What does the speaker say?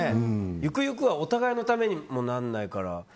ゆくゆくはお互いのためにもならないから。